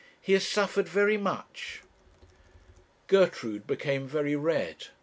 He has suffered very much.' Gertrude became very red.